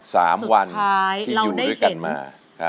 สามวันที่อยู่ด้วยกันมาสุดท้ายเราได้เห็น